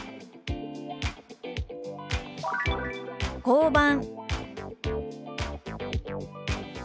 「交番」。